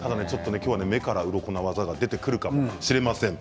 今日は目からうろこの技が出てくるかもしれません。